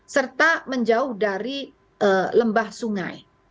serta menjauh dari lembah sungai